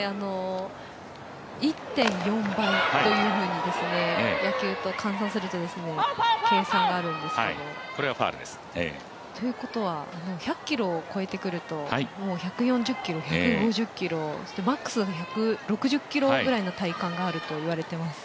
１．４倍というふうに野球と換算すると計算があるんですけど。ということは１００キロを超えてくるともう１４０キロ、１５０キロマックスが１６０キロぐらいの体感があるといわれています。